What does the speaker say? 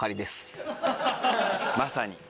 まさに。